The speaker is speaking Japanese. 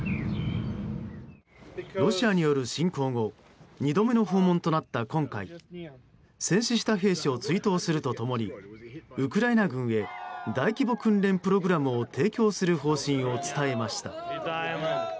ロシアによる侵攻後２度目の訪問となった今回戦士した兵士を追悼すると共にウクライナ軍へ大規模訓練プログラムを提供する方針を伝えました。